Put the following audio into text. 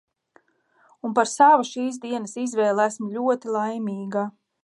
Un par savu šīs dienas izvēli esmu ļoti laimīga!